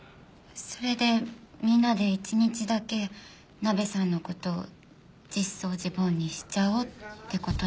それでみんなで一日だけナベさんの事を実相寺梵にしちゃおうって事になったわけ。